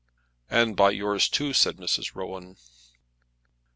"And by yours too," said Mrs. Rowan.